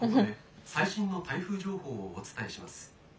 「最新の台風情報をお伝えします。